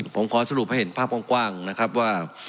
ผมขอสรุปให้เห็นภาพกว้างนะครับว่า